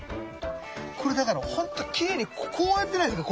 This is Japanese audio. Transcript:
これだからほんときれいにこうやってないですか？